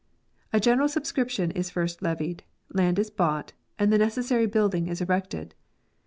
A general subscription is first levied, land is bought, and the necessary building is erected.